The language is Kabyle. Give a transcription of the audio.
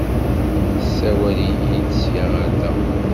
Tessawal-iyi-d sya ɣer da.